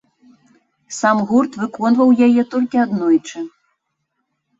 Сам гурт выконваў яе толькі аднойчы.